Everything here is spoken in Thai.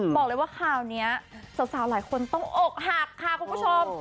บอกเลยว่าคราวนี้สาวหลายคนต้องอกหักค่ะคุณผู้ชม